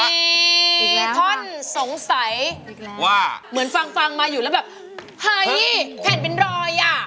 มีท่อนสงสัยว่าเหมือนฟังมาอยู่แล้วแบบเฮ้ยแผ่นเป็นรอย